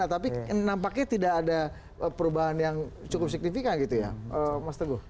tapi nampaknya tidak ada perubahan yang cukup signifikan gitu ya mas teguh